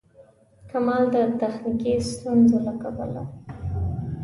کمال د تخنیکي ستونزو له کبله.